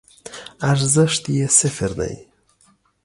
ارزښت یی صفر دی